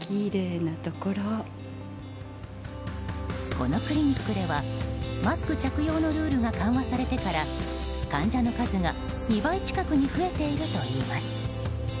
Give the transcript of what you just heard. このクリニックではマスク着用のルールが緩和されてから、患者の数が２倍近くに増えているといいます。